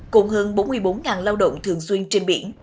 cùng hơn bốn mươi bốn lao động thường xuyên trên biển